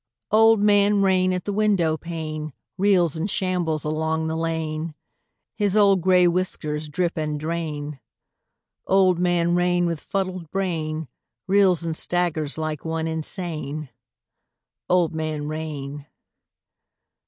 Old Man Rain at the windowpane Reels and shambles along the lane: His old gray whiskers drip and drain: Old Man Rain with fuddled brain Reels and staggers like one insane. Old Man Rain.